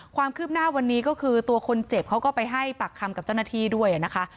ความคืบหน้าวันนี้ก็คือตัวคนเจ็บเขาก็ไปให้ปากคำกับเจ้าหน้าที่ด้วยนะคะ